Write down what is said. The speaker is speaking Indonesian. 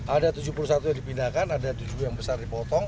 ada tujuh puluh satu yang dipindahkan ada tujuh yang besar dipotong